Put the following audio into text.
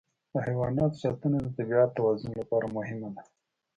د حیواناتو ساتنه د طبیعت د توازن لپاره مهمه ده.